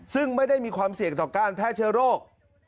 ซึ่งไม่ได้มีความเสี่ยงต่อการแพร่เชื้อโรค